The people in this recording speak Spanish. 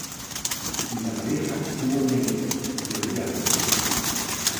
La pareja tuvo una hija, Georgiana.